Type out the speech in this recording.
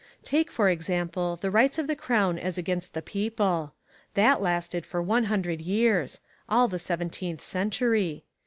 Take for example the rights of the Crown as against the people. That lasted for one hundred years, all the seventeenth century.